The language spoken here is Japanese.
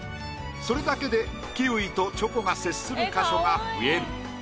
それだけでキウイとチョコが接する箇所が増える。